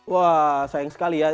wah sayang sekali ya